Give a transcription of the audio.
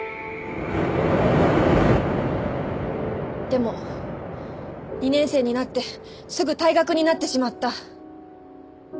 でも２年生になってすぐ退学になってしまった。